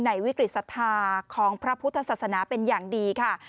วิกฤตศรัทธาของพระพุทธศาสนาเป็นอย่างดีค่ะ